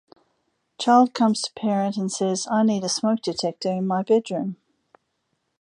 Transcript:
Child comes to parent and says “I need a smoke detector in my bedroom”.